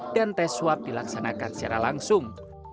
dan tes swab dilaksanakan secara langsung